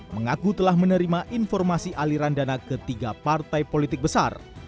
mengaku telah menerima informasi aliran dana ke tiga partai politik besar